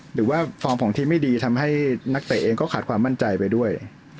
ฟอร์มของทีมไม่ดีทำให้นักเตะเองก็ขาดความมั่นใจไปด้วย